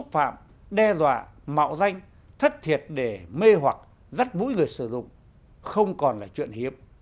phạm đe dọa mạo danh thất thiệt để mê hoặc rắt bũi người sử dụng không còn là chuyện hiếp